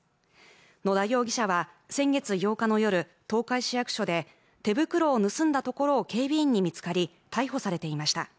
野田容疑者は先月８日の夜東海市役所で手袋を盗んだところを警備員に見つかり逮捕されていました